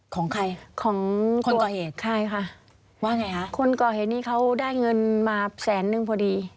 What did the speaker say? ของใครของคนก่อเหตุใช่ค่ะว่าไงคะคนก่อเหตุนี้เขาได้เงินมาแสนนึงพอดี